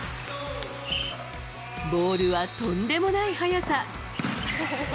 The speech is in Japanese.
ボールはとんでもない速さ。